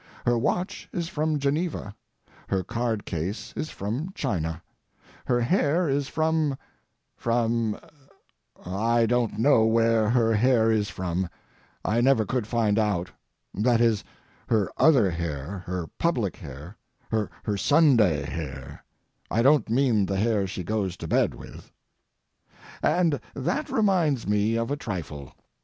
Her watch is from Geneva, her card case is from China, her hair is from—from—I don't know where her hair is from; I never could find out; that is, her other hair—her public hair, her Sunday hair; I don't mean the hair she goes to bed with. And that reminds me of a trifle.